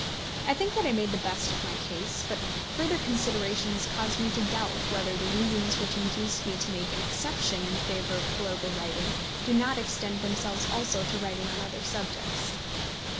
I think that I made the best of my case; but further consideration has caused me to doubt whether the reasons which induced me to make an exception in favour of political writing do not extend themselves also to writing on other subjects.